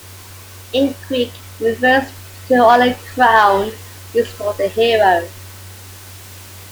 In Greek it refers to the olive crown used for the hero.